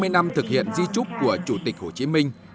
ba mươi năm thực hiện di trúc của chủ tịch hồ chí minh